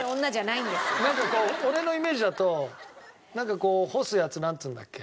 俺のイメージだとなんかこう干すやつなんていうんだっけ？